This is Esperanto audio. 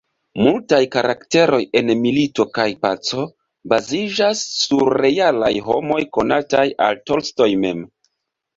Multaj karakteroj en "Milito kaj paco" baziĝas sur realaj homoj konataj al Tolstoj mem.